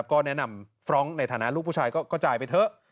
ก็แนะนำฟรองก์ในฐานะลูกผู้ชายก็จ่ายไปเถอะ